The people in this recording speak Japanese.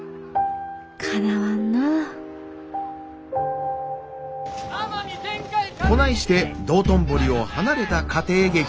かなわんなあこないして道頓堀を離れた家庭劇。